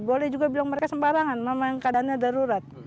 boleh juga bilang mereka sembarangan memang keadaannya darurat